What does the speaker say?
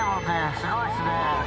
すごいですね。